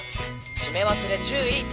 「閉め忘れ注意っ」